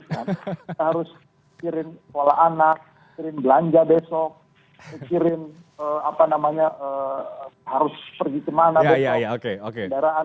kita harus kirim sekolah anak kirim belanja besok kirim harus pergi kemana besok